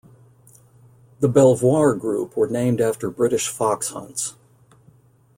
The "Belvoir" group were named after British fox hunts.